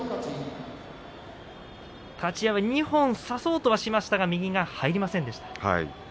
立ち合いは二本差そうとはしましたが右が入りませんでした。